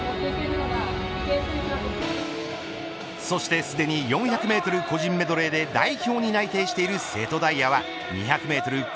そしてすでに４００メートル個人メドレーで代表に内定している瀬戸大也は２００メートル